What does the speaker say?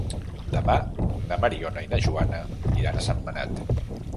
Demà na Mariona i na Joana iran a Sentmenat.